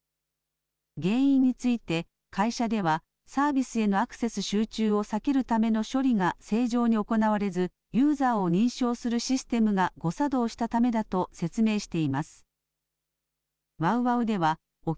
原因について、会社では、サービスへのアクセス集中を避けるための処理が正常に行われずユーザーを認証するシステムが誤作動したためだと説明して。